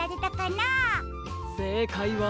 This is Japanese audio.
せいかいは。